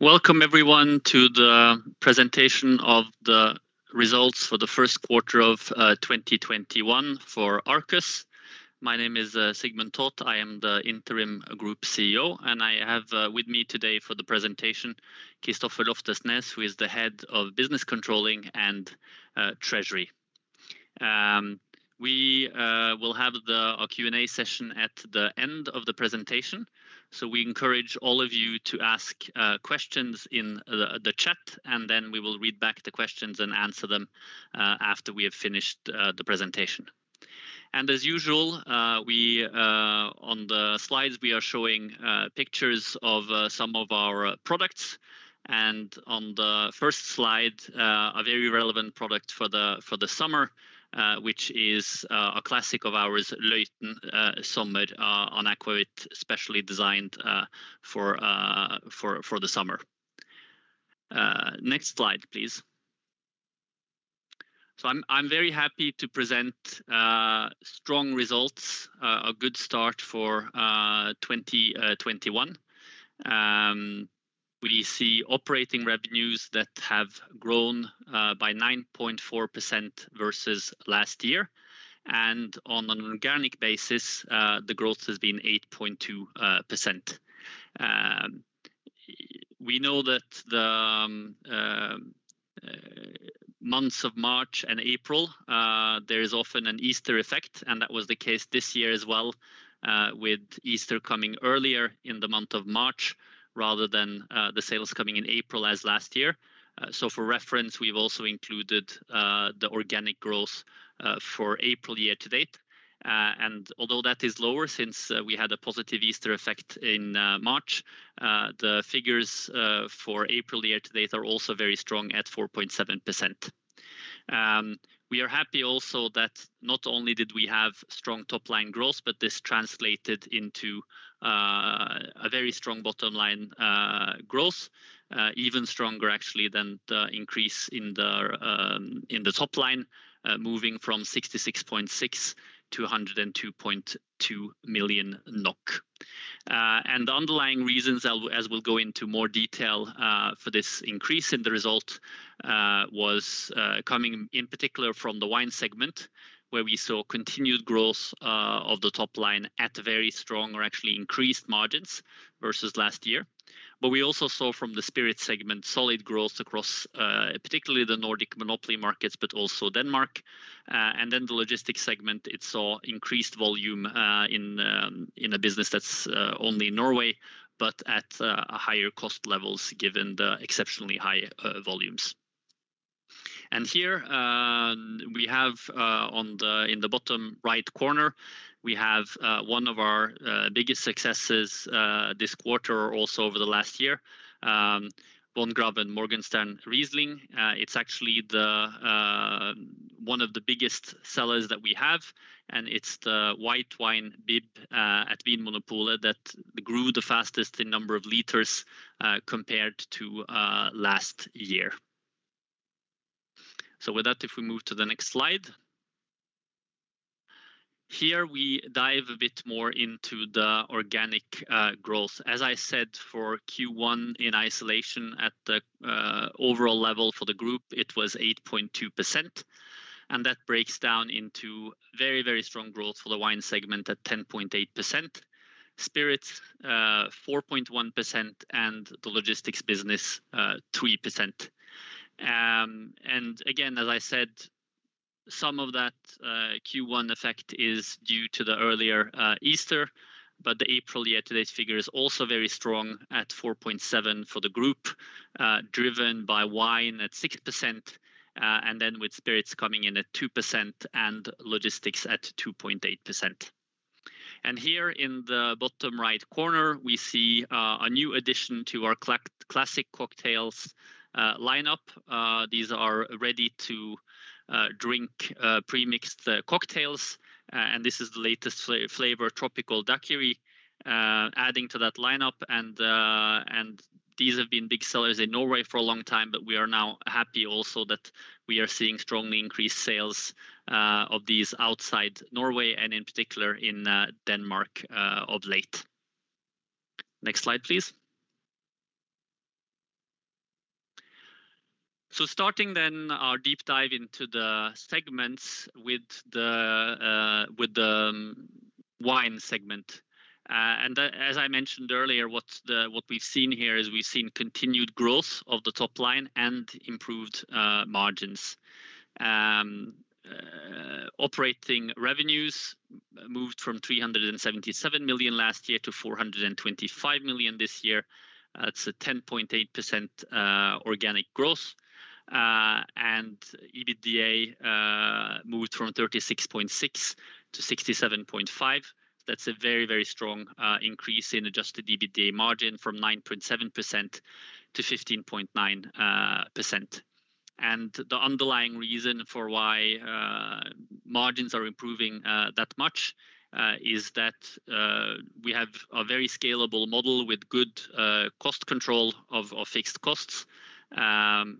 Welcome everyone to the presentation of the results for the first quarter of 2021 for Arcus. My name is Sigmund Toth. I am the Interim Group CEO, and I have with me today for the presentation Kristoffer Loftesnes, who is the Head of Business Controlling and Treasury. We will have a Q&A session at the end of the presentation. We encourage all of you to ask questions in the chat, and then we will read back the questions and answer them after we have finished the presentation. As usual, on the slides, we are showing pictures of some of our products, and on the first slide, a very relevant product for the summer, which is a classic of ours, Løiten Sommer, an akevitt specially designed for the summer. Next slide, please. I'm very happy to present strong results, a good start for 2021. We see operating revenues that have grown by 9.4% versus last year, and on an organic basis, the growth has been 8.2%. We know that the months of March and April, there is often an Easter effect, and that was the case this year as well, with Easter coming earlier in the month of March rather than the sales coming in April as last year. For reference, we've also included the organic growth for April year to date. Although that is lower since we had a positive Easter effect in March, the figures for April year to date are also very strong at 4.7%. We are happy also that not only did we have strong top-line growth, but this translated into a very strong bottom-line growth. Even stronger, actually, than the increase in the top line, moving from 66.6 million to 102.2 million NOK. The underlying reasons, as we'll go into more detail for this increase in the result, was coming in particular from the wine segment, where we saw continued growth of the top line at very strong or actually increased margins versus last year. We also saw from the spirit segment solid growth across particularly the Nordic monopoly markets, but also Denmark. The logistics segment, it saw increased volume in a business that's only Norway, but at higher cost levels given the exceptionally high volumes. Here in the bottom right corner, we have one of our biggest successes this quarter, also over the last year, Wongraven Morgenstern Riesling. It's actually one of the biggest sellers that we have, and it's the white wine BiB at Vinmonopolet that grew the fastest in number of liters compared to last year. With that, if we move to the next slide. Here we dive a bit more into the organic growth. As I said, for Q1 in isolation at the overall level for the group, it was 8.2%. That breaks down into very strong growth for the wine segment at 10.8%, spirits 4.1%, and the logistics business 3%. Again, as I said, some of that Q1 effect is due to the earlier Easter. The April year-to-date figure is also very strong at 4.7% for the group, driven by wine at 6%, then with spirits coming in at 2% and logistics at 2.8%. Here in the bottom right corner, we see a new addition to our classic cocktails lineup. These are ready-to-drink pre-mixed cocktails. This is the latest flavor, tropical daiquiri, adding to that lineup. These have been big sellers in Norway for a long time, but we are now happy also that we are seeing strongly increased sales of these outside Norway and in particular in Denmark of late. Next slide, please. Starting our deep dive into the segments with the wine segment. As I mentioned earlier, what we've seen here is we've seen continued growth of the top line and improved margins. Operating revenues moved from 377 million last year to 425 million this year. That's a 10.8% organic growth. EBITDA moved from 36.6 to 67.5. That's a very strong increase in adjusted EBITDA margin from 9.7% to 15.9%. The underlying reason for why margins are improving that much is that we have a very scalable model with good cost control of our fixed costs.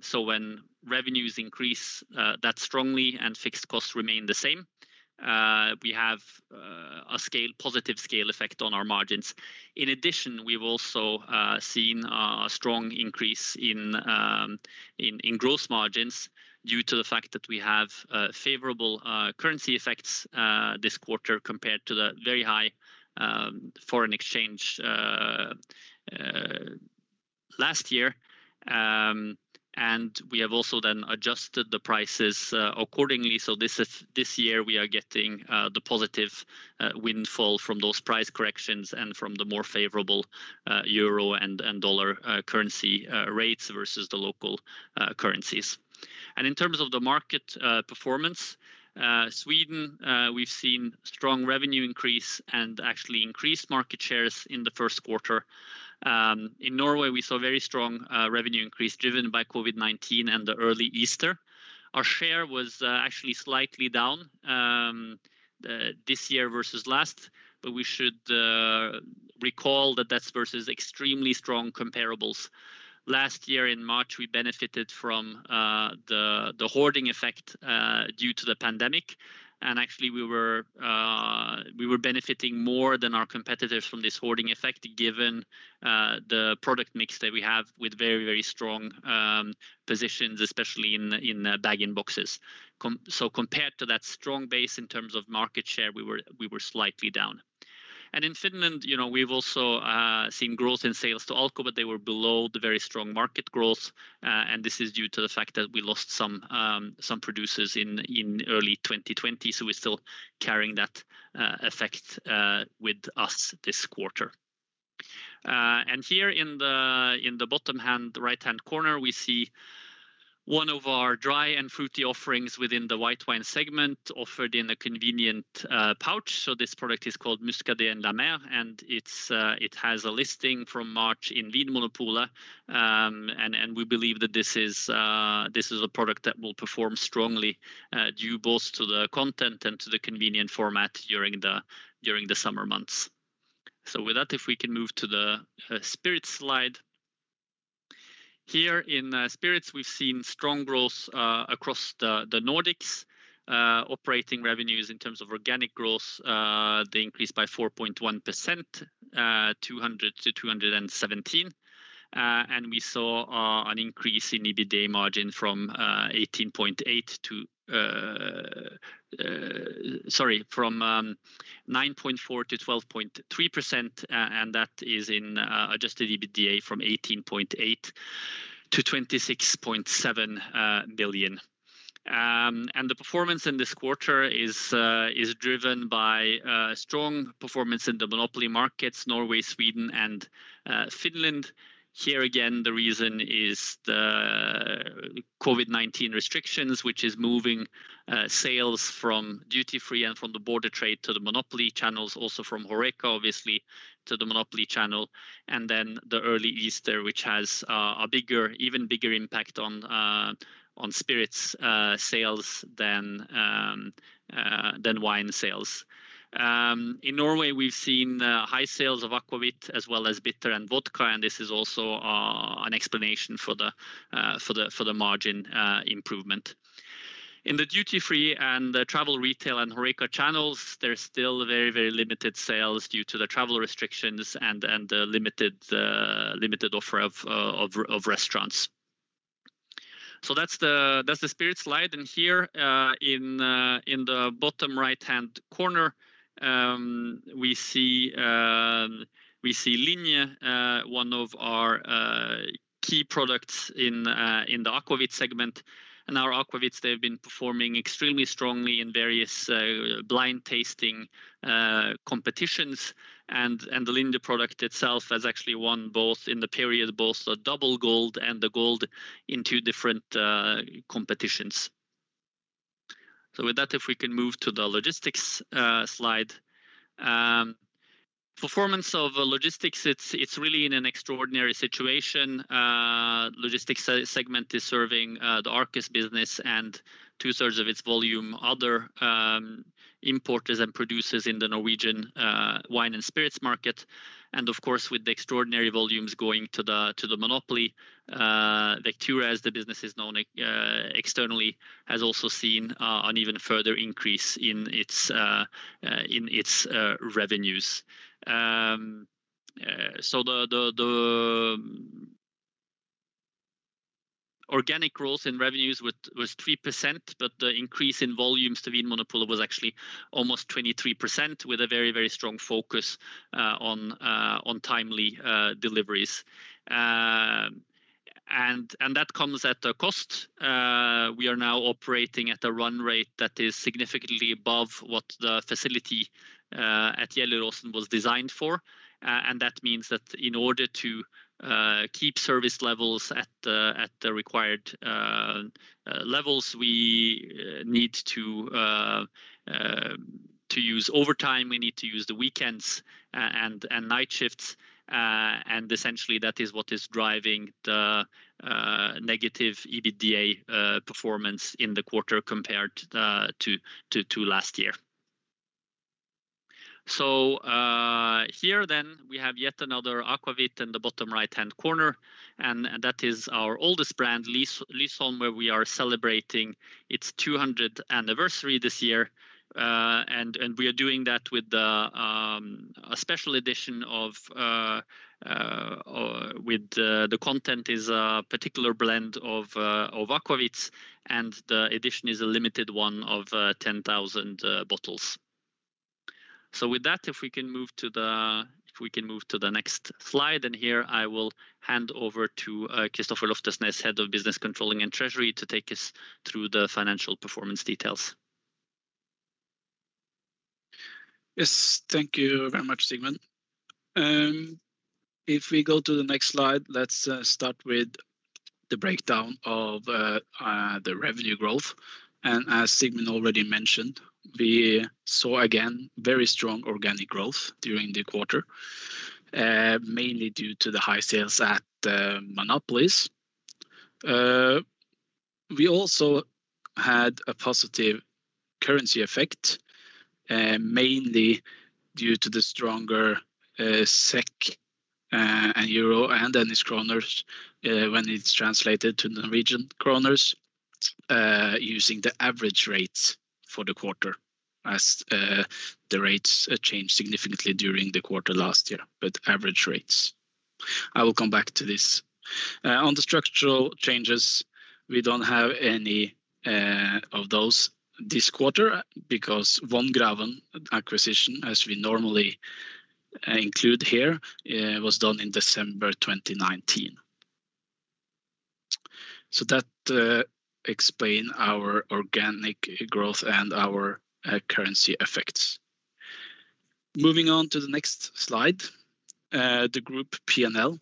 So when revenues increase that strongly and fixed costs remain the same, we have a positive scale effect on our margins. In addition, we've also seen a strong increase in gross margins due to the fact that we have favorable currency effects this quarter compared to the very high foreign exchange last year. We have also then adjusted the prices accordingly. This year, we are getting the positive windfall from those price corrections and from the more favorable euro and US dollar currency rates versus the local currencies. In terms of the market performance, Sweden, we've seen strong revenue increase and actually increased market shares in the first quarter. In Norway, we saw very strong revenue increase driven by COVID-19 and the early Easter. Our share was actually slightly down this year versus last, but we should recall that that's versus extremely strong comparables. Last year in March, we benefited from the hoarding effect due to the pandemic. Actually, we were benefiting more than our competitors from this hoarding effect, given the product mix that we have with very strong positions, especially in bag-in-boxes. Compared to that strong base in terms of market share, we were slightly down. In Finland, we've also seen growth in sales to Alko, but they were below the very strong market growth. This is due to the fact that we lost some producers in early 2020. We're still carrying that effect with us this quarter. Here in the bottom right-hand corner, we see one of our dry and fruity offerings within the white wine segment offered in a convenient pouch. This product is called Muscadet & La Mer, and it has a listing from March in Vinmonopolet. We believe that this is a product that will perform strongly due both to the content and to the convenient format during the summer months. With that, if we can move to the spirits slide. Here in spirits, we've seen strong growth across the Nordics. Operating revenues in terms of organic growth, they increased by 4.1%, 200-217, and we saw an increase in EBITDA margin from 9.4%-12.3%, and that is in adjusted EBITDA from 18.8 million-26.7 million. The performance in this quarter is driven by strong performance in the monopoly markets, Norway, Sweden, and Finland. Here again, the reason is the COVID-19 restrictions, which is moving sales from duty-free and from the border trade to the monopoly channels, also from HORECA, obviously, to the monopoly channel. The early Easter, which has an even bigger impact on spirits sales than wine sales. In Norway, we've seen high sales of aquavit as well as bitter and vodka, and this is also an explanation for the margin improvement. In the duty-free and the travel retail and HORECA channels, there's still very limited sales due to the travel restrictions and the limited offer of restaurants. That's the spirits slide, and here in the bottom right-hand corner, we see Linie, one of our key products in the aquavit segment. Our aquavits, they've been performing extremely strongly in various blind tasting competitions, and the Linie product itself has actually won both in the period, both the double gold and the gold in two different competitions. With that, if we can move to the logistics slide. Performance of logistics, it's really in an extraordinary situation. Logistics segment is serving the Arcus business and two-thirds of its volume, other importers and producers in the Norwegian wine and spirits market. Of course, with the extraordinary volumes going to the monopoly, Vectura as the business is known externally, has also seen an even further increase in its revenues. The organic growth in revenues was 3%, but the increase in volumes to Vinmonopolet was actually almost 23% with a very strong focus on timely deliveries. That comes at a cost. We are now operating at a run rate that is significantly above what the facility at Gjelleråsen was designed for. And that means that in order to keep service levels at the required levels, we need to use overtime. We need to use the weekends and night shifts. And essentially, that is what is driving the negative EBITDA performance in the quarter compared to last year. Here then we have yet another aquavit in the bottom right-hand corner, and that is our oldest brand, Lysholm, where we are celebrating its 200th anniversary this year. And we are doing that with a special edition. The content is a particular blend of aquavits, and the edition is a limited one of 10,000 bottles. With that, if we can move to the next slide, and here I will hand over to Kristoffer Loftesnes, Head of Business Controlling and Treasury, to take us through the financial performance details. Yes, thank you very much, Sigmund. If we go to the next slide, let's start with the breakdown of the revenue growth. As Sigmund already mentioned, we saw again very strong organic growth during the quarter, mainly due to the high sales at monopolies. We also had a positive currency effect, mainly due to the stronger SEK and EUR and Danish kronor when it's translated to Norwegian kronors using the average rates for the quarter as the rates changed significantly during the quarter last year, but average rates. I will come back to this. On the structural changes, we don't have any of those this quarter because Wongraven acquisition, as we normally include here, was done in December 2019. That explains our organic growth and our currency effects. Moving on to the next slide, the group P&L.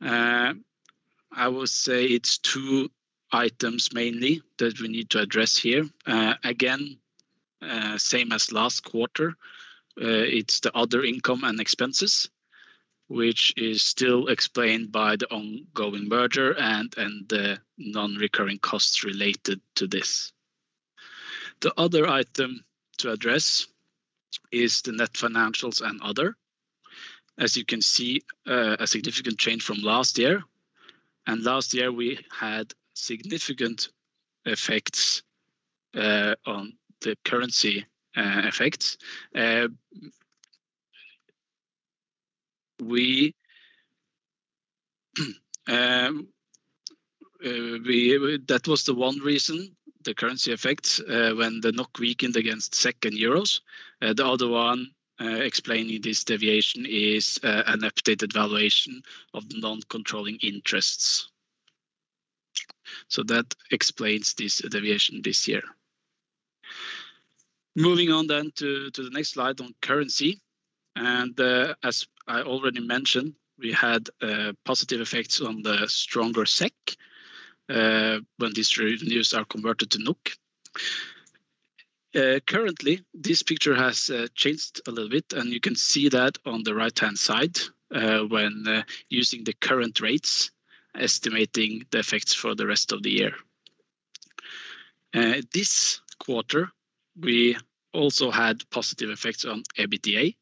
I would say it's two items mainly that we need to address here. Again, same as last quarter, it's the other income and expenses, which is still explained by the ongoing merger and the non-recurring costs related to this. The other item to address is the net financials and other. As you can see, a significant change from last year. Last year we had significant effects on the currency effects. That was the one reason, the currency effects, when the NOK weakened against SEK and EUR. The other one explaining this deviation is an updated valuation of the non-controlling interests. That explains this deviation this year. Moving on then to the next slide on currency. As I already mentioned, we had positive effects on the stronger SEK when these revenues are converted to NOK. Currently, this picture has changed a little bit, and you can see that on the right-hand side when using the current rates, estimating the effects for the rest of the year. This quarter, we also had positive effects on EBITDA,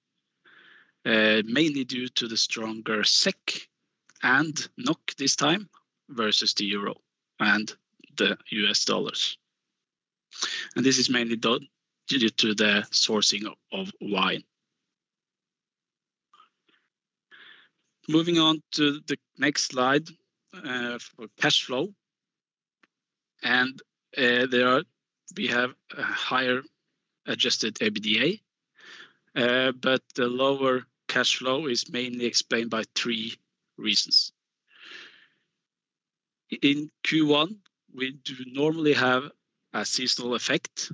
mainly due to the stronger SEK and NOK this time versus the euro and the US dollars. This is mainly due to the sourcing of wine. Moving on to the next slide, cash flow. There we have a higher adjusted EBITDA, but the lower cash flow is mainly explained by three reasons. In Q1, we do normally have a seasonal effect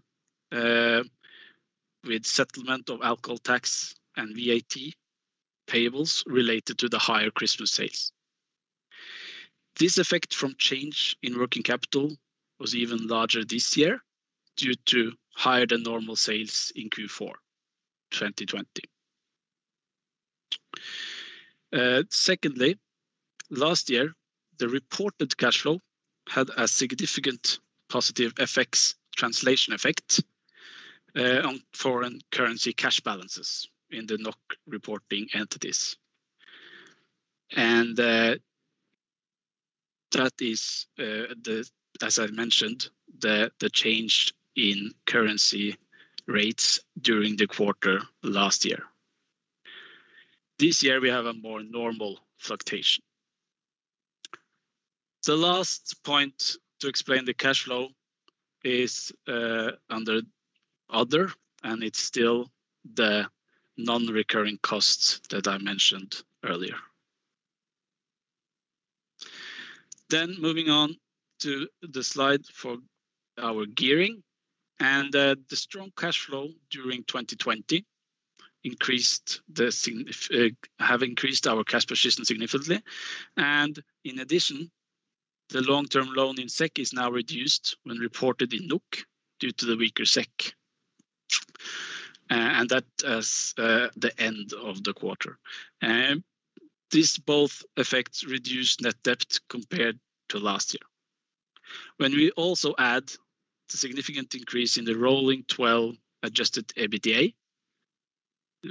with settlement of alcohol tax and VAT payables related to the higher Christmas sales. This effect from change in working capital was even larger this year due to higher than normal sales in Q4 2020. Secondly, last year, the reported cash flow had a significant positive translation effect on foreign currency cash balances in the NOK reporting entities. That is, as I mentioned, the change in currency rates during the quarter last year. This year, we have a more normal fluctuation. The last point to explain the cash flow is under other, it's still the non-recurring costs that I mentioned earlier. Moving on to the slide for our gearing, the strong cash flow during 2020 have increased our cash position significantly, in addition, the long-term loan in SEK is now reduced when reported in NOK due to the weaker SEK, and that as the end of the quarter. These both effects reduce net debt compared to last year. When we also add the significant increase in the rolling 12 adjusted EBITDA,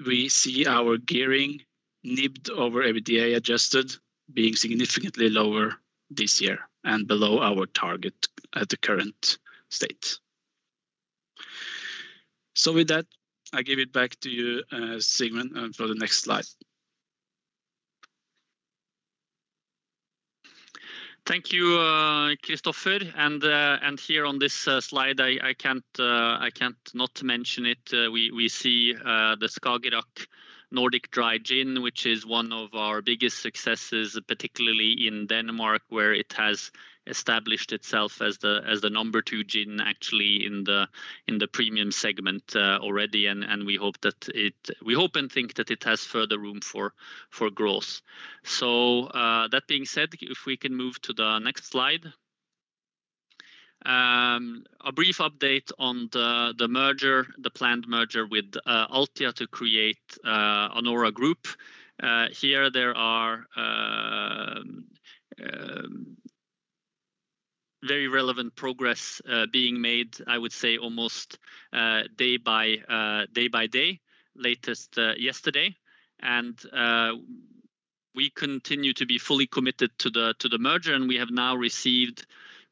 we see our gearing NIBD over EBITDA adjusted being significantly lower this year and below our target at the current state. With that, I give it back to you, Sigmund, for the next slide. Thank you, Kristoffer. Here on this slide, I can't not mention it. We see the Skagerrak Nordic Dry Gin, which is one of our biggest successes, particularly in Denmark where it has established itself as the number two gin actually in the premium segment already, and we hope and think that it has further room for growth. That being said, if we can move to the next slide. A brief update on the planned merger with Altia to create Anora Group. Here there are very relevant progress being made, I would say almost day by day, latest yesterday. We continue to be fully committed to the merger, and we have now received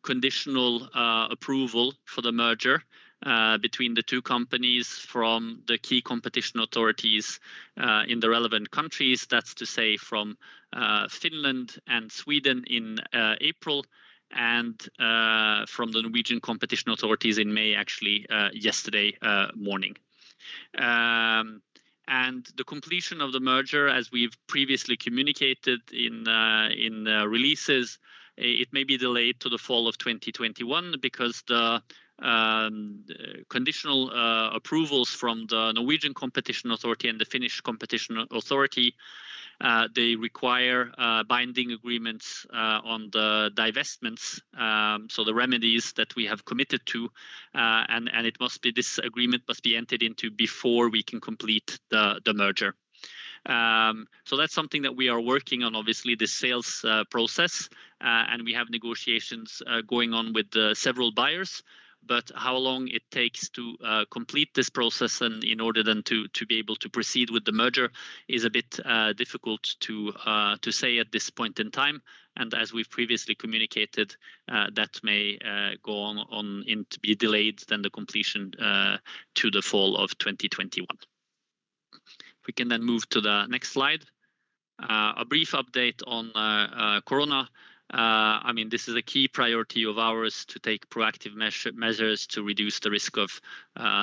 conditional approval for the merger between the two companies from the key competition authorities in the relevant countries. That's to say from Finland and Sweden in April, and from the Norwegian Competition Authority authorities in May, actually yesterday morning. The completion of the merger, as we've previously communicated in the releases, it may be delayed to the fall of 2021 because the conditional approvals from the Norwegian Competition Authority and the Finnish Competition Authority, they require binding agreements on the divestments, so the remedies that we have committed to, and this agreement must be entered into before we can complete the merger. That's something that we are working on, obviously the sales process, and we have negotiations going on with several buyers. How long it takes to complete this process and in order then to be able to proceed with the merger is a bit difficult to say at this point in time. As we've previously communicated, that may go on and be delayed than the completion to the fall of 2021. We can move to the next slide. A brief update on Corona. This is a key priority of ours to take proactive measures to reduce the risk of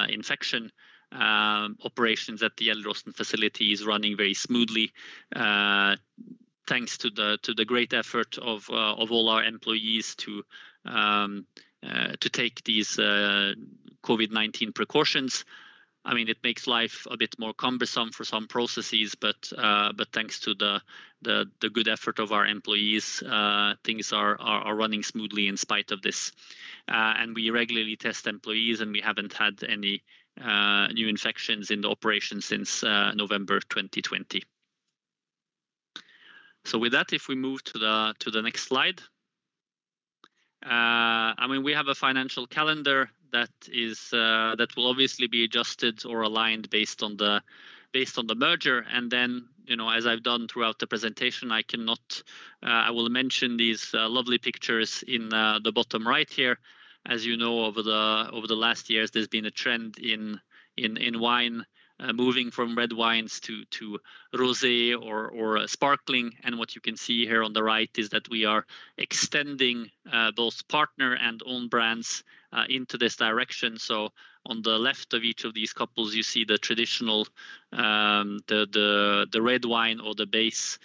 infection. Operations at the Gjelleråsen facility is running very smoothly thanks to the great effort of all our employees to take these COVID-19 precautions. It makes life a bit more cumbersome for some processes, but thanks to the good effort of our employees, things are running smoothly in spite of this. We regularly test employees, and we haven't had any new infections in the operation since November 2020. With that, if we move to the next slide. We have a financial calendar that will obviously be adjusted or aligned based on the merger. As I've done throughout the presentation, I will mention these lovely pictures in the bottom right here. As you know, over the last years, there's been a trend in wine moving from red wines to rosé or sparkling. What you can see here on the right is that we are extending those partner and own brands into this direction. On the left of each of these couples, you see the traditional red wine or the base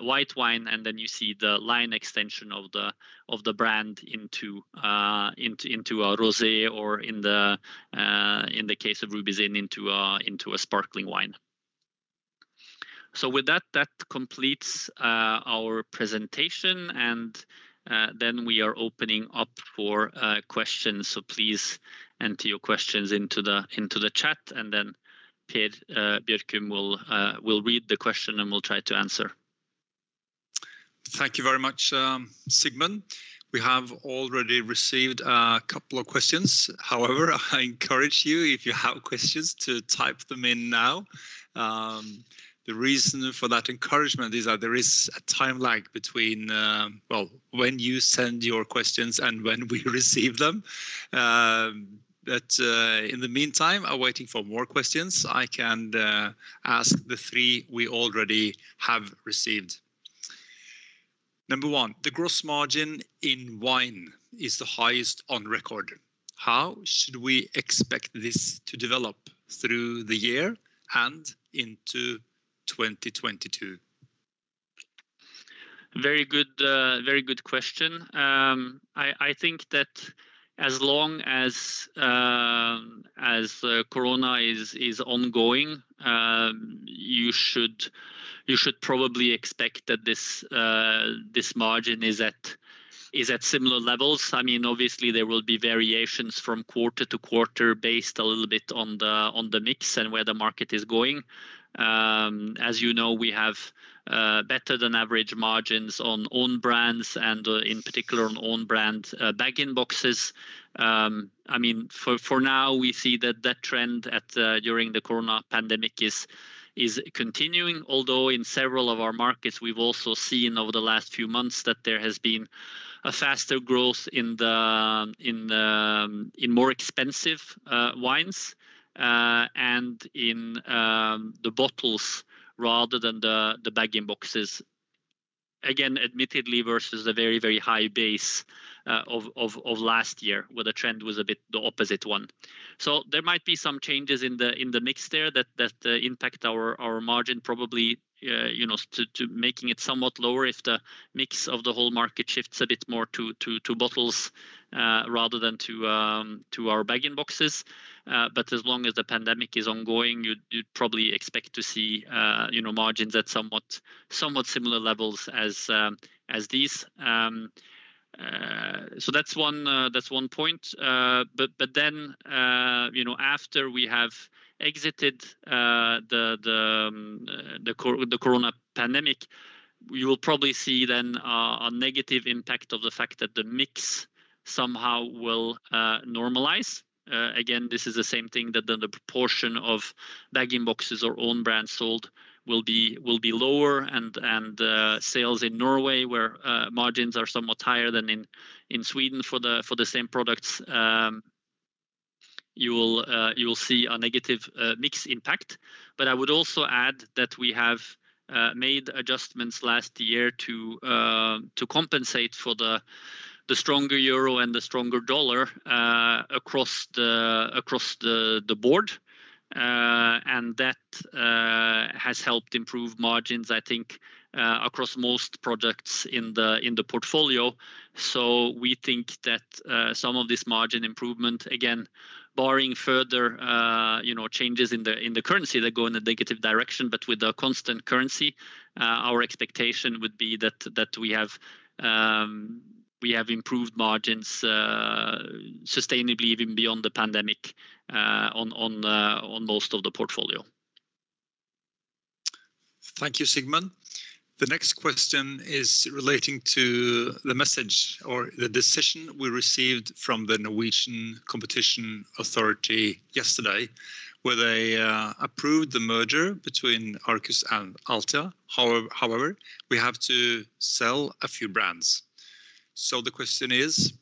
white wine. You see the line extension of the brand into a rosé or in the case of Ruby Rosé into a sparkling wine. With that completes our presentation. We are opening up for questions. Please enter your questions into the chat, and then Per Bjørkum will read the question, and we'll try to answer. Thank you very much, Sigmund. We have already received a couple of questions. However, I encourage you, if you have questions, to type them in now. The reason for that encouragement is that there is a time lag between when you send your questions and when we receive them. In the meantime, while waiting for more questions, I can ask the three we already have received. Number one, the gross margin in wine is the highest on record. How should we expect this to develop through the year and into 2022? Very good question. I think that as long as Corona is ongoing, you should probably expect that this margin is at similar levels. Obviously, there will be variations from quarter to quarter based a little bit on the mix and where the market is going. As you know, we have better than average margins on own brands and in particular on own brand bag-in-box. For now, we see that trend during the COVID-19 pandemic is continuing, although in several of our markets, we've also seen over the last few months that there has been a faster growth in more expensive wines and in the bottles rather than the bag-in-box. Again, admittedly versus a very high base of last year, where the trend was a bit the opposite one. There might be some changes in the mix there that impact our margin probably, making it somewhat lower if the mix of the whole market shifts a bit more to bottles rather than to our bag-in-box. As long as the pandemic is ongoing, you'd probably expect to see margins at somewhat similar levels as these. That's one point. After we have exited the COVID-19 pandemic, we will probably see then a negative impact of the fact that the mix somehow will normalize. Again, this is the same thing that the proportion of bag-in-box or own brands sold will be lower and sales in Norway, where margins are somewhat higher than in Sweden for the same products, you will see a negative mix impact. I would also add that we have made adjustments last year to compensate for the stronger euro and the stronger dollar across the board. That has helped improve margins, I think, across most products in the portfolio. We think that some of this margin improvement, again, barring further changes in the currency that go in a negative direction, but with the constant currency, our expectation would be that we have improved margins sustainably even beyond the pandemic on most of the portfolio. Thank you, Sigmund. The next question is relating to the message or the decision we received from the Norwegian Competition Authority yesterday, where they approved the merger between Arcus and Altia. However, we have to sell a few brands. The question is: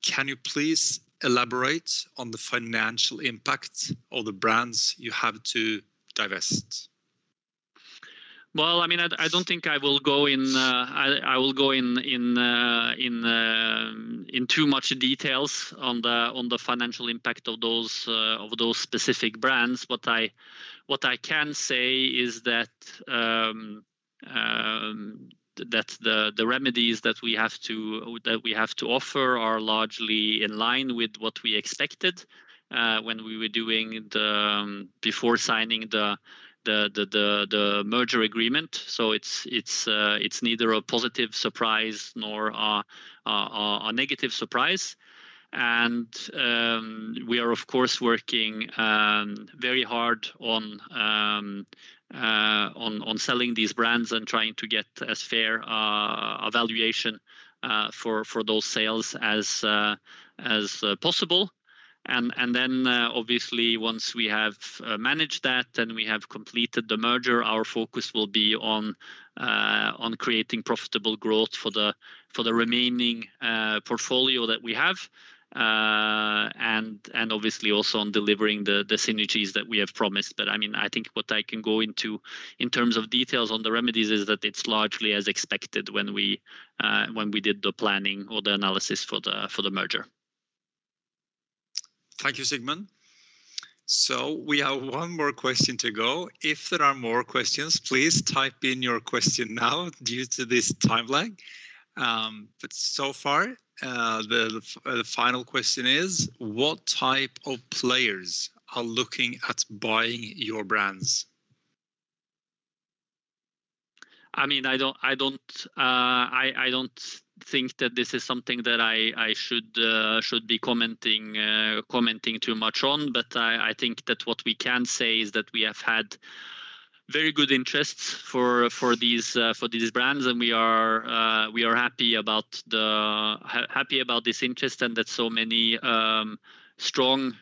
Can you please elaborate on the financial impact of the brands you have to divest? I don't think I will go in too much details on the financial impact of those specific brands. What I can say is that the remedies that we have to offer are largely in line with what we expected before signing the merger agreement. It's neither a positive surprise nor a negative surprise. We are, of course, working very hard on selling these brands and trying to get a fair valuation for those sales as possible. Obviously once we have managed that and we have completed the merger, our focus will be on creating profitable growth for the remaining portfolio that we have and obviously also on delivering the synergies that we have promised. I think what I can go into in terms of details on the remedies is that it's largely as expected when we did the planning or the analysis for the merger. Thank you, Sigmund. We have one more question to go. If there are more questions, please type in your question now due to this time lag. So far, the final question is: What type of players are looking at buying your brands? I don't think that this is something that I should be commenting too much on. I think that what we can say is that we have had very good interest for these brands, and we are happy about this interest and that so many strong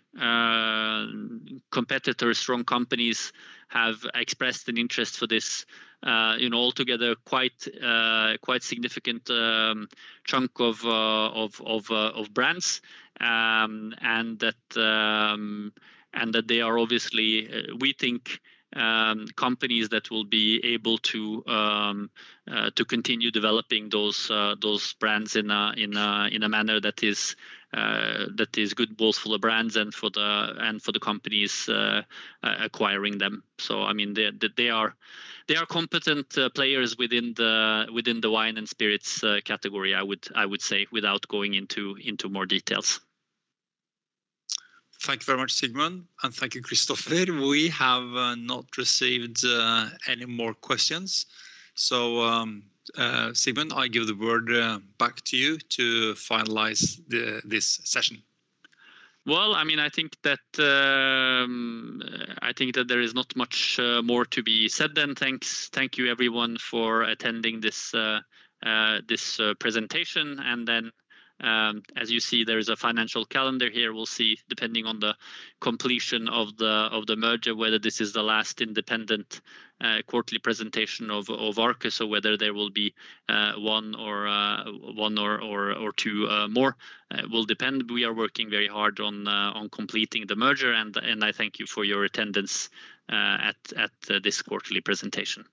competitors, strong companies have expressed an interest for this altogether quite significant chunk of brands. They are obviously, we think, companies that will be able to continue developing those brands in a manner that is good both for the brands and for the companies acquiring them. They are competent players within the wine and spirits category, I would say, without going into more details. Thank you very much, Sigmund. Thank you, Kristoffer. We have not received any more questions. Sigmund, I give the word back to you to finalize this session. I think that there is not much more to be said than thanks. Thank you, everyone, for attending this presentation. As you see, there is a financial calendar here. We'll see, depending on the completion of the merger, whether this is the last independent quarterly presentation of Arcus or whether there will be one or two more. It will depend. We are working very hard on completing the merger, and I thank you for your attendance at this quarterly presentation.